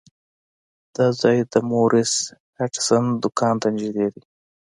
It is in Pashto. دا ځای د مورس هډسن دکان ته نږدې دی.